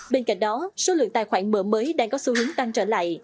bên cạnh đó số lượng tài khoản mở mới đang có xu hướng tăng trở lại